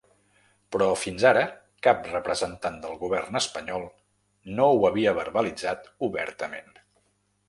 Però fins ara cap representant del govern espanyol no ho havia verbalitzat obertament.